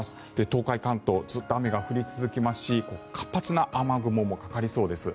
東海、関東ずっと雨が降り続きますし活発な雨雲もかかりそうです。